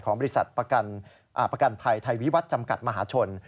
บริษัทประกันภัยไทยวิวัตรจำกัดมหาชน